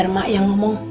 nenek yang urus